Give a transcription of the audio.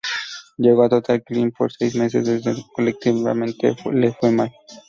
Llegó al Total Clean por seis meses donde colectivamente le fue mal.